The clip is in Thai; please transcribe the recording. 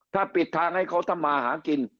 ถ้าปิดทางให้เขาทำมาหากิน